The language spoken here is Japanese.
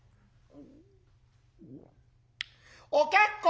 「お結構！」